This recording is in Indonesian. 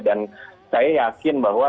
dan saya yakin bahwa